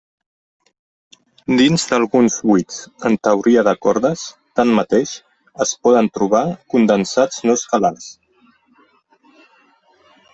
Dins d'alguns buits en teoria de cordes, tanmateix, es poden trobar condensats no escalars.